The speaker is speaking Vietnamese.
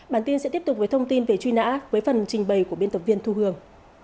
bản tin sẽ tiếp tục với thông tin về truy nã với phần trình bày của biên tập viên thu hương